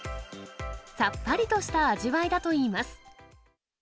さっぱりとした味わいだといいます。